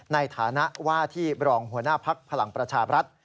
ในฐานะว่าที่บรองหัวหน้าภักดิ์พลังประชาบรัฐ